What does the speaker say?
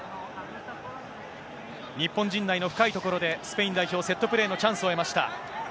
日本陣内の深い所で、スペイン代表、セットプレーのチャンスを得ました。